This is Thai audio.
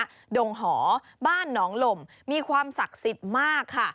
ดงหอบ้านหนองลมมีความศักดิ์สิทธิ์มากค่ะ